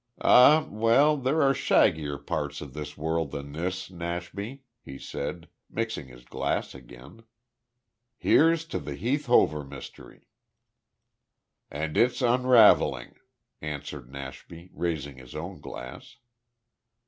"Ah, well, there are shaggier parts of the world than this, Nashby," he said, mixing his glass again. "Here's to the Heath Hover mystery." "And its unravelling," answered Nashby, raising his own glass.